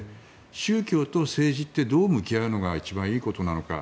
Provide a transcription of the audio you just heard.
宗教と政治ってどう向き合うのが一番いいことなのか。